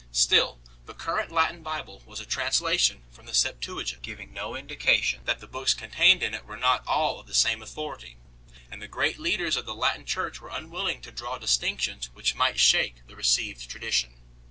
Still, the current Latin Bible was a translation from the Septuagint, giving no indication that the books contained in it were not all of the same authority, and the great leaders of the Latin Church were unwilling to draw distinctions which might shake the received tradition.